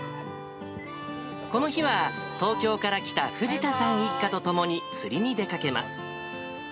この日は、東京から来た藤田さん一家と共に釣りに出かけます。